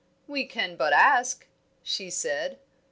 "We can but ask," she said.